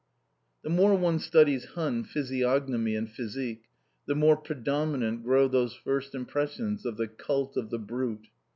The more one studies Hun physiognomy and physique, the more predominant grow those first impressions of the Cult of the Brute.